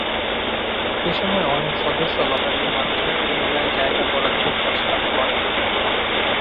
এ সময় অনেক সদস্য লটারির মাধ্যমে পুনরায় জায়গা বরাদ্দের প্রস্তাব করেন।